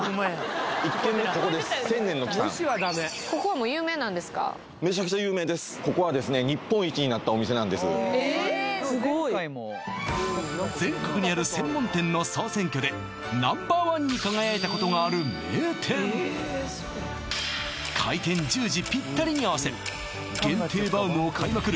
せんねんの木さんえっすごい全国にある専門店の総選挙でＮｏ．１に輝いたことがある名店開店１０時ぴったりに合わせ限定バウムを買いまくる